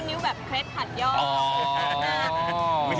นิ้วแบบเพชรผัดยอม